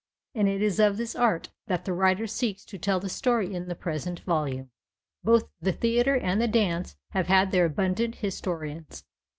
And it is of this art that the writer seeks to tell the story in the present volume. Both the theatre and the dance have had their abundant historians.